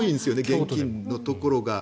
現金のところが。